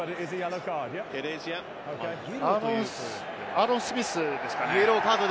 アーロン・スミスですかね。